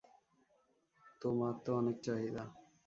তোমার তো অনেক চাহিদা।